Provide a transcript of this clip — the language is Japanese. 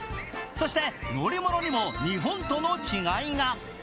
そして乗り物にも日本との違いが。